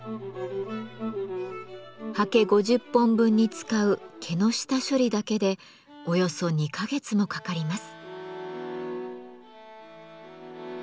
刷毛５０本分に使う毛の下処理だけでおよそ２か月もかかります。